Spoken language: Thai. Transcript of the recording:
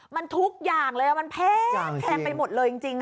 มันทุกอย่างเลยมันแพงไปหมดเลยจริง